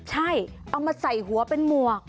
ใช่เอามาใส่หัวเป็นหมวก